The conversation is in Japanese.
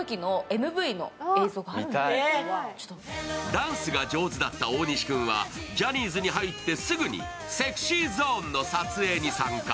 ダンスが上手だった大西君は、ジャニーズに入ってすぐにＳｅｘｙＺｏｎｅの撮影に参加。